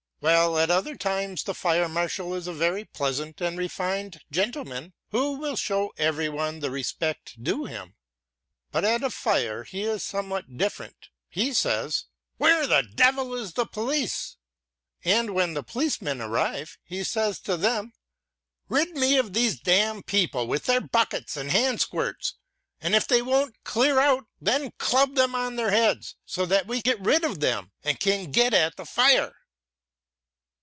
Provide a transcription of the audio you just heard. Well, at other times the fire marshal is a very pleasant and refined gentleman who will show every one the respect due him; but at a fire he is somewhat diffrentŌĆöhe says: "Where the devil is the police?" And when the policemen arrive he says to them: "Rid me of these damn people with their buckets and hand squirts; and if they won't clear out, then club them on their heads, so that we get rid of them andŌĆöcan get at the fire!"